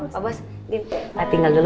pak bos dina tinggal dulu